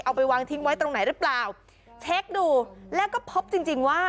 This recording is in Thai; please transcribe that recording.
เอาไปวางทิ้งไว้ตรงไหนหรือเปล่าเช็คดูแล้วก็พบจริงจริงว่า